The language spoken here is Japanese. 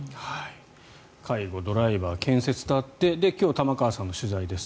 介護、ドライバー建設とあって今日、玉川さんの取材です。